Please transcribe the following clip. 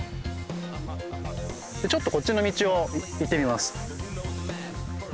ちょっとこっちの道を行ってみます。